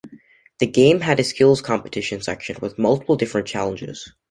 The game had a skills competition section with multiple different challenges.